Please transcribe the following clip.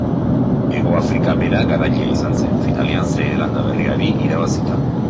Hegoafrika bera garailea izan zen, finalean Zeelanda Berriari irabazita.